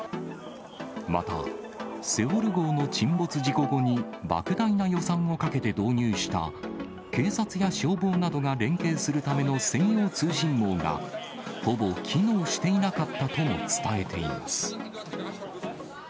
また、セウォル号の沈没事故後に、ばく大な予算をかけて導入した、警察や消防などが連携するための専用通信網が、ほぼ機能していなかったとも伝えています。